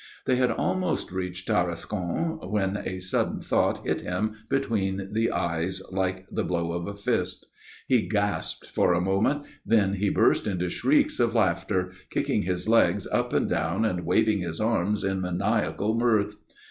They had almost reached Tarascon when a sudden thought hit him between the eyes, like the blow of a fist. He gasped for a moment, then he burst into shrieks of laughter, kicking his legs up and down and waving his arms in maniacal mirth.